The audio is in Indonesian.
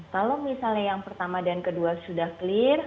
kalau misalnya yang pertama dan kedua sudah clear